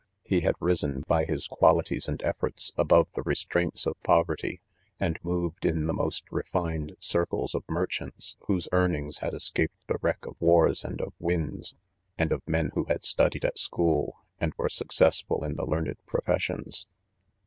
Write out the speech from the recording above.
He had risen by his qualities and efforts, above the restraints of poverty, and moved in the most refined circles of merch ants whose earnings had escaped the wreck of wars and of winds., and of men who had studi ed at school and were successful in the learn ed professions.